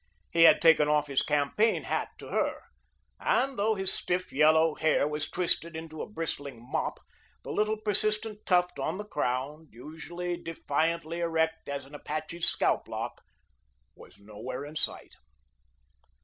He had taken off his campaign hat to her, and though his stiff, yellow hair was twisted into a bristling mop, the little persistent tuft on the crown, usually defiantly erect as an Apache's scalp lock, was nowhere in sight.